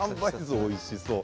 おいしそう。